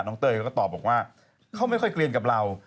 เต้ยก็ตอบบอกว่าเขาไม่ค่อยเกลียนกับเรา